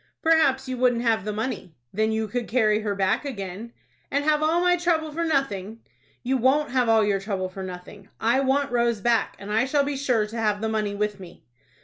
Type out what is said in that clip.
"Perhaps you wouldn't have the money." "Then you could carry her back again." "And have all my trouble for nothing!" "You won't have all your trouble for nothing. I want Rose back, and I shall be sure to have the money with me."